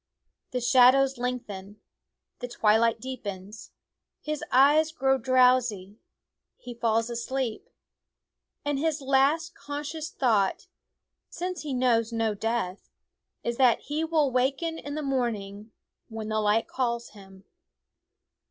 The shadows lengthen ; the twilight deepens ; his eyes grow drowsy ; he falls asleep. And his last conscious thought, since he knows no death, is that he will waken in the morn ing when the light calls him.